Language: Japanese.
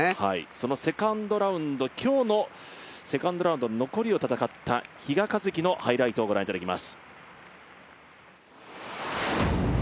そのセカンドラウンド、今日のセカンドラウンドの残りを戦った比嘉一貴のハイライトをご覧いただきます。